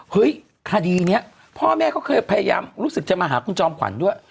คดีนี้พ่อแม่ก็เคยพยายามรู้สึกจะมาหาคุณจอมขวัญด้วย